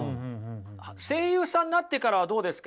声優さんになってからはどうですか？